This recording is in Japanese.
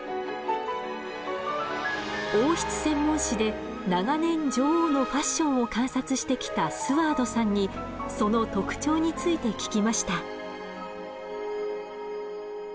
王室専門誌で長年女王のファッションを観察してきたスワードさんにその特徴について聞きました。